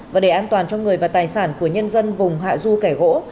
và để an toàn cho người và tài sản của nhân dân vùng hạ du kẻ gỗ